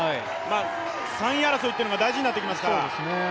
３位争いが大事になってきますから。